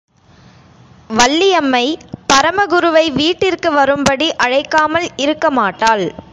வள்ளியம்மை பரமகுருவை வீட்டிற்கு வரும்படி அழைக்காமல் இருக்க மாட்டாள்.